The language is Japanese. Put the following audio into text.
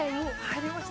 はい。